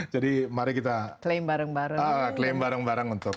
jadi mari kita klaim bareng bareng